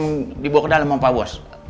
ada di pos bu dilarang dibawa ke dalam sama pak bos